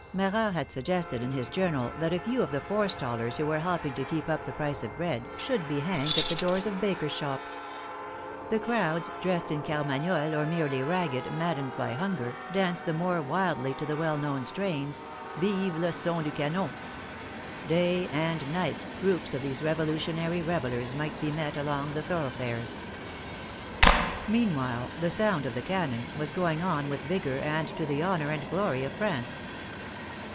Marat had suggested in his journal that a few of the forestallers who were helping to keep up the price of bread should be hanged at the doors of bakers* shops. The crowds, dressed in carmagnole, or merely ragged, maddened by hunger, danced the more wildly to the well known strains, " Vive le son du canon." Day and night groups of these revolutionary revelers might be met along the thoroughfares. Meanwhile " the sound of the cannon " was going on with vigor and to the honor and glory of France.